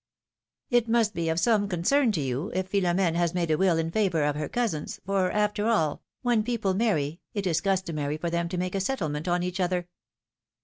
^^It must be of some concern to you, if Philomene has made a will in favor of her cousins, for after all, when people marry, it is customary for them to make a settle ment on each other."